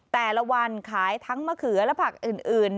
แต่ละวันขายทั้งมะเขือและผักอื่น